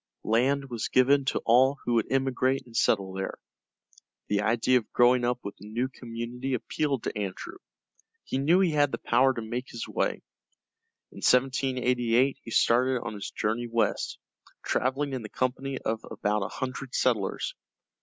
Land was given to all who would emigrate and settle there. The idea of growing up with a new community appealed to Andrew; he knew he had the power to make his way. In 1788 he started on his journey west, traveling in the company of about a hundred settlers.